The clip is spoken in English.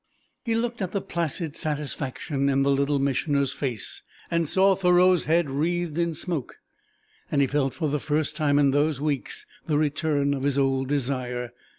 He looked at the placid satisfaction in the Little Missioner's face, and saw Thoreau's head wreathed in smoke, and he felt for the first time in those weeks the return of his old desire.